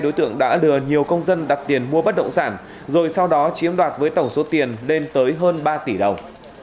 đối tượng đã lừa nhiều công dân đặt tiền mua bất động sản rồi sau đó chiếm đoạt với tổng số tiền lên tới hơn ba tỷ đồng